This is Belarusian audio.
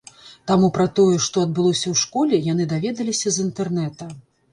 Таму пра тое, што адбылося ў школе, яны даведаліся з інтэрнэта.